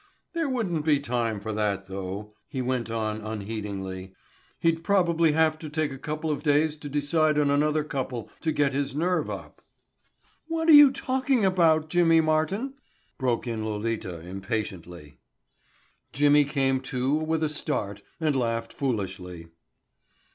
"There wouldn't be time for that, though." He went on unheedingly. "He'd probably have to take a couple of days to decide and another couple to get his nerve up." "What are you talking about, Jimmy Martin?" broke in Lolita impatiently. Jimmy came to with a start and laughed foolishly.